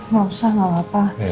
gak usah gak apa apa